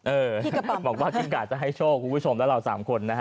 เออบอกว่ากินกะจะให้โชคคุณผู้ชมและเราสามคนนะฮะ